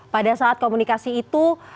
pada saat komunikasi itu